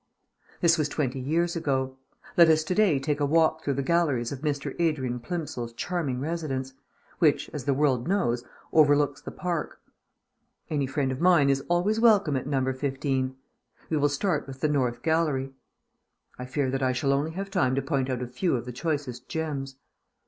This was twenty years ago. Let us to day take a walk through the galleries of Mr. Adrian Plimsoll's charming residence, which, as the world knows, overlooks the park. Any friend of mine is always welcome at Number Fifteen. We will start with the North Gallery; I fear that I shall only have time to point out a few of the choicest gems.